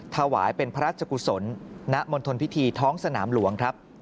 ถวายเป็นพระราชกุศลณมณฑลพิธีท้องสนามหลวงครับ